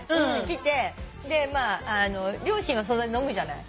来て両親はそれで飲むじゃない。